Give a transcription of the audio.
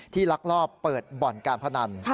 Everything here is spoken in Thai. ลักลอบเปิดบ่อนการพนัน